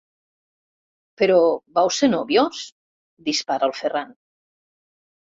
Però vau ser nòvios? –dispara el Ferran–.